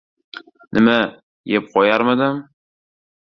Nima, yeb qo‘yarmidim.